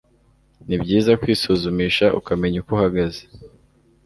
Ni byiza kwisuzumisha, ukamenya uko uhagaze.